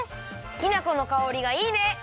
きな粉のかおりがいいね！